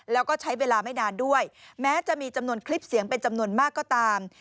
แล้วก็ใช้เวลาไม่นานด้วยแม้จะมีจำนวนคลิปเสียงเป็นจำนวนมากก็ตาม